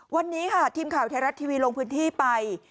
วันนี้ค่ะทีมข่าวไทยรัฐทีวีลงพื้นที่ไป